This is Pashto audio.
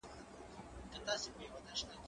هغه څوک چي سبزیجات جمع کوي قوي وي،